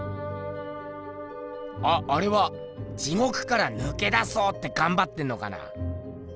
あっあれは地獄からぬけ出そうってがんばってんのかな。